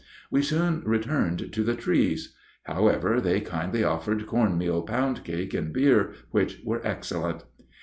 We soon returned to the trees; however, they kindly offered corn meal pound cake and beer, which were excellent.